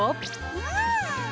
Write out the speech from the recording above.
うん！